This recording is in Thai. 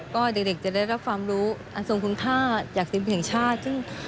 ก็เด็กจะได้รับความรู้อันทรงคุณค่าจากศิลปินแห่งชาติ